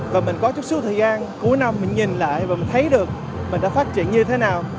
và mình có chút thời gian cuối năm mình nhìn lại và mình thấy được mình đã phát triển như thế nào